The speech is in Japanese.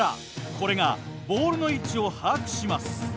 これがボールの位置を把握します。